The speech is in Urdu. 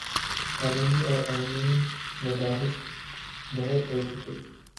قانونی اور آئینی مباحث بہت ہو چکے۔